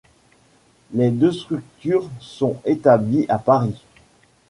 Les deux structures sont établies à Paris.